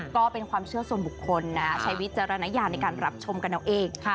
ก็เป็นความเชื่อส่วนบุคคลนะใช้วิจารณญาณในการรับชมกันเอาเอง